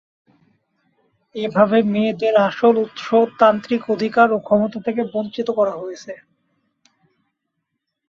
এভাবে মেয়েদের আসল উৎস তান্ত্রিক অধিকার ও ক্ষমতা থেকে বঞ্চিত করা হয়েছে।